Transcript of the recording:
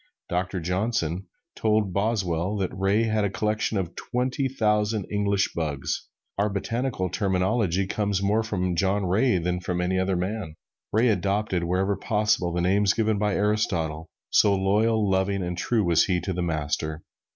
Doctor Johnson told Boswell that Ray had a collection of twenty thousand English bugs. Our botanical terminology comes more from John Ray than from any other man. Ray adopted wherever possible the names given by Aristotle, so loyal, loving and true was he to the Master.